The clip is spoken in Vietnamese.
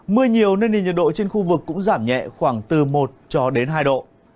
mưa nhiều nên nền nhiệt độ trên khu vực cũng giảm nhẹ khoảng từ một hai độ